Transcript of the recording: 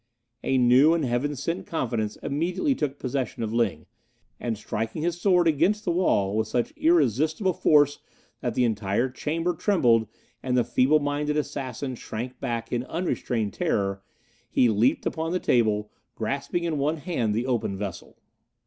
A new and Heaven sent confidence immediately took possession of Ling, and striking his sword against the wall with such irresistible force that the entire chamber trembled and the feeble minded assassins shrank back in unrestrained terror, he leapt upon the table, grasping in one hand the open vessel.